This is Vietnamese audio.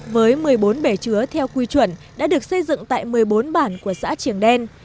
với một mươi bốn bể chứa theo quy chuẩn đã được xây dựng tại một mươi bốn bản của xã triển đen